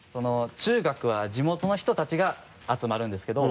中学は地元の人たちが集まるんですけど。